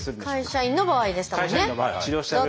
会社員の場合でしたもんね。